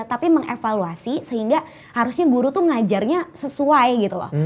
tapi mengevaluasi sehingga harusnya guru tuh ngajarnya sesuai gitu loh